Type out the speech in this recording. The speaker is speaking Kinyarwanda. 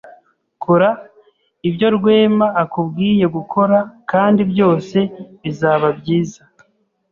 Kora ibyo Rwema akubwiye gukora kandi byose bizaba byiza.